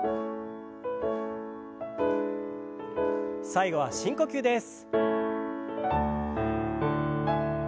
最後は深呼吸です。